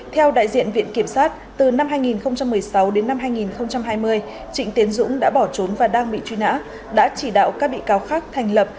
theo đại diện viện kiểm sát từ năm hai nghìn một mươi sáu đến năm hai nghìn hai mươi trịnh tiến dũng đã bỏ trốn và đang bị truy nã đã chỉ đạo các bị cáo khác thành lập